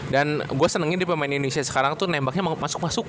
dan gue senengnya di pemain indonesia sekarang tuh nembaknya masuk masuk